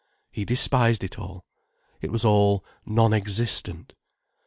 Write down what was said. He despised it all—it was all non existent.